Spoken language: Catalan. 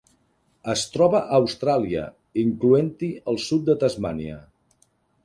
Es troba a Austràlia, incloent-hi el sud de Tasmània.